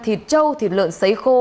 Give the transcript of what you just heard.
thịt trâu thịt lợn xấy khô